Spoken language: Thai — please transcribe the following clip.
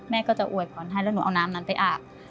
แม่ก็จะอวยพรให้แล้วหนูเอาน้ำนั้นไปอาบ